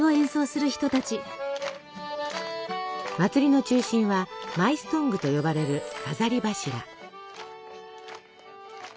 祭りの中心はマイストングと呼ばれる飾り柱。